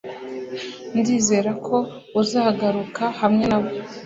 Ndizera ko uzagaruka hamwe nabo.